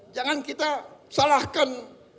jangan kita salahkan